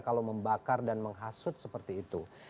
kalau membakar dan menghasut seperti itu